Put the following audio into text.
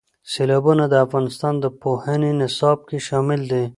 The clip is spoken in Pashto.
سیلابونه د افغانستان د پوهنې نصاب کې شامل دي.